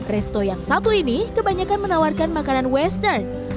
resto yang satu ini kebanyakan menawarkan makanan western